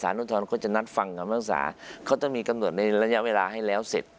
ศาลอุทรเขาจะนัดฟังกับภาคศาเขาจะมีกำหนดในระยะเวลาให้แล้วเสร็จ